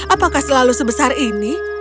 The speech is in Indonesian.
apakah selalu sebesar ini